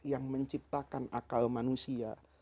yang menciptakan akal manusia